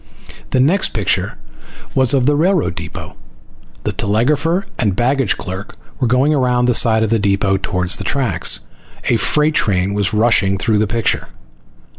The next picture was of the railroad depot. The telegrapher and baggage clerk were going around the side of the depot towards the tracks. A freight train was rushing through the picture.